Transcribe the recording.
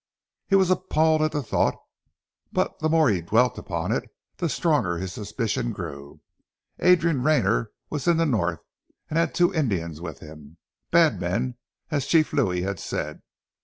He was appalled at the thought, but the more he dwelt upon it, the stronger his suspicion grew. Adrian Rayner was in the North and he had two Indians with him, "bad men," as Chief Louis had said.